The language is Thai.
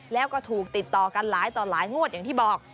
แล้วก็ถูกติดต่อกันหลายต่อหลายงวดอย่างที่บอก